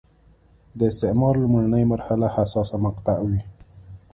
د استعمار لومړنۍ مرحله حساسه مقطعه وه.